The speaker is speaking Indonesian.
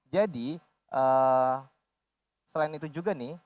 jadi selain itu juga nih